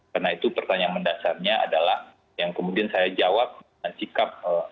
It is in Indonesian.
karena itu pertanyaan mendasarnya adalah yang kemudian saya jawab dengan sikap